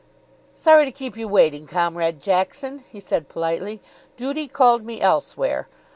"Sorry to keep you waiting, Comrade Jackson," he said politely. "Duty called me elsewhere.